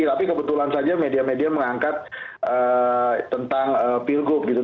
tapi kebetulan saja media media mengangkat tentang pilgub gitu